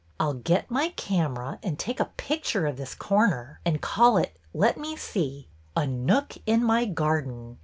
'' I 'll get my camera and take a picture of this corner, and call it — let me see —' A Nook in My Garden.